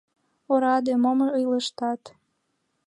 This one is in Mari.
— Ораде, мом ойлыштат!